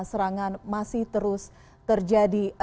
serangan masih terus terjadi